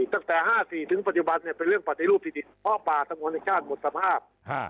ตั้งแต่๕๔ถึงปัจจุบันเนี่ยเป็นเรื่องปฏิรูปโรชน์ที่๑๐ข้อป่าทั้งหมดราชาติกหมดสมภาพ